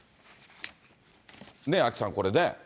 アキさん、これね。